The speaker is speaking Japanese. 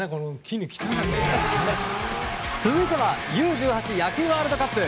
続いてはＵ‐１８野球ワールドカップ。